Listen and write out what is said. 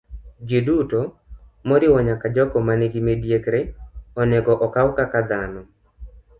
Jiduto, moriwo nyaka jogo ma nigi midekre, onego okaw kaka dhano.